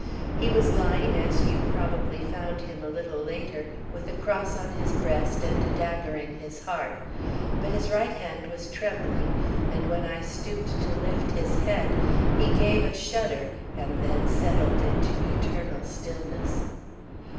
He was lying as you probably found him a little later, with the cross on his breast and a dagger in his heart; but his right hand was trembling, and when I stooped to lift his head, he gave a shudder and then settled into eternal stillness.